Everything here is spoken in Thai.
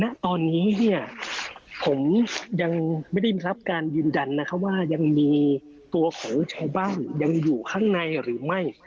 ณตอนนี้เนี่ยผมยังไม่ได้รับการยืนยันนะคะว่ายังมีตัวของชาวบ้านยังอยู่ข้างในหรือไม่